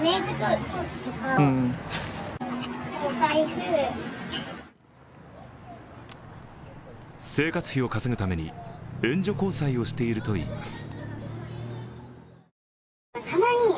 生活費を稼ぐために援助交際をしているといいます。